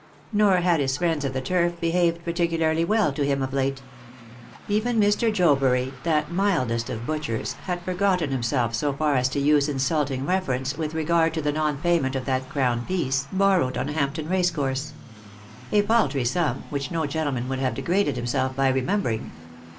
Nor had his friends of the turf behaved particularly well to him of late. Even Mr. Jobury, that mildest of butchers, had for gotten himself so far as to use insulting reference with regard to the nonpayment of that crown piece borrowed on Hampton racecourse ; a paltry sum, which no gentleman would have de graded himself by remembering.